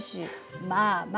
まあまあ。